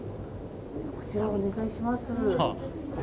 こちらをお願いします。